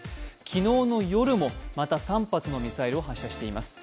昨日の夜もまた３発のミサイルを発射しています。